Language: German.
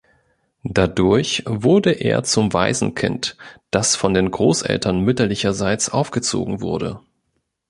Dadurch wurde er zum Waisenkind, das von den Großeltern mütterlicherseits aufgezogen wurde.